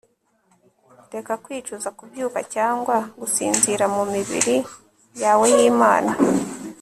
Reka kwicuza kubyuka cyangwa gusinzira mumibiri yawe yimana